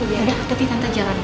yaudah nanti tante jalan